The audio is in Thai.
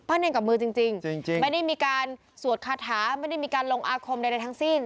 เนรกับมือจริงไม่ได้มีการสวดคาถาไม่ได้มีการลงอาคมใดทั้งสิ้น